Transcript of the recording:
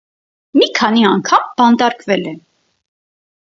Մի քանի անգամ բանտարկվել է։